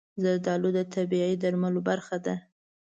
زردالو د طبیعي درملو برخه ده.